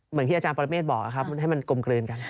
เหมือนที่อาจารย์ปรเมฆบอกให้มันกลมกลืนกัน